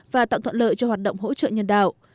và tạo thuận lợi cho hoạt động hỗ trợ nhân đạo